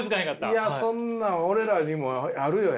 いやそんなん俺らにもあるよ